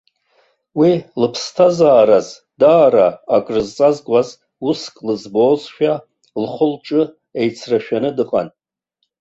Уи лыԥсҭазаараз даара акрызҵазкуаз уск лыӡбозшәа, лхы-лҿы еицрашәаны дыҟан.